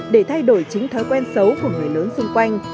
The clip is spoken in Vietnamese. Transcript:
để thay đổi chính thói quen xấu của người lớn xung quanh